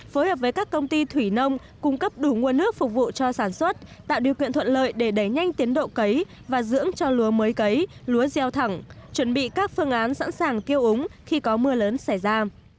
phối hợp với các công ty thủy nông cung cấp đủ nguồn nước phục vụ cho sản xuất tạo điều kiện thuận lợi để đẩy nhanh tiến độ cấy và dưỡng cho lúa mới cấy lúa gieo thẳng chuẩn bị các phương án sẵn sàng kêu úng khi có mưa lớn xảy ra